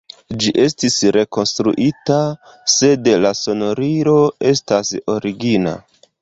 Ĝi estis rekonstruita, sed la sonorilo estas origina.